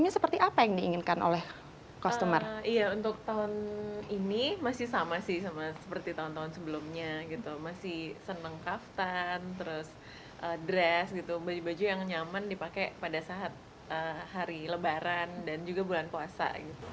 seperti tahun tahun sebelumnya masih senang kaftan terus dress baju baju yang nyaman dipakai pada saat hari lebaran dan juga bulan puasa